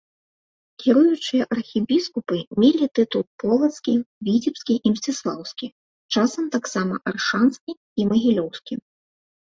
Кіруючыя архібіскупы мелі тытул полацкі, віцебскі і мсціслаўскі, часам таксама аршанскі і магілёўскі.